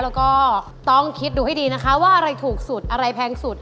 แล้วก็ต้องคิดดูให้ดีนะคะว่าอะไรถูกสุดอะไรแพงสุด